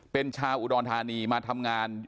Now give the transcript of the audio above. เป็นชาวอุดรธานีมาทำงาน